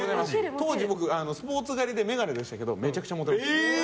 当時、僕スポーツ刈りで眼鏡でしたけどめちゃくちゃモテました。